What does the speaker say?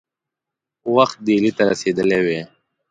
وخت ډهلي ته رسېدلی وای.